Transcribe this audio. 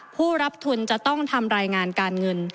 ผู้รับทุนจะต้องทำรายงานการเงิน